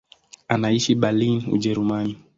Anaishi Berlin, Ujerumani.